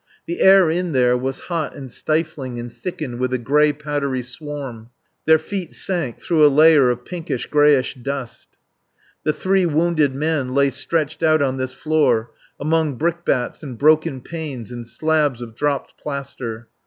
The air in there was hot and stifling and thickened with a grey powdery swarm. Their feet sank through a layer of pinkish, greyish dust. The three wounded men lay stretched out on this floor, among brickbats and broken panes and slabs of dropped plaster.